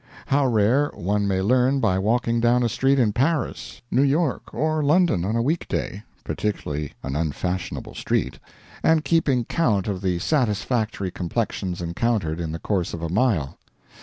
How rare, one may learn by walking down a street in Paris, New York, or London on a week day particularly an unfashionable street and keeping count of the satisfactory complexions encountered in the course of a mile.